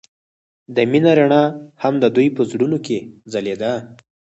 د مینه رڼا هم د دوی په زړونو کې ځلېده.